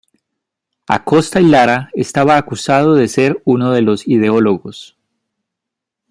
Acosta y Lara estaba acusado de ser uno de los ideólogos.